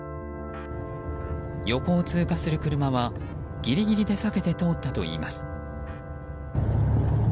横を通過する車はギリギリで避けて通ったといいます。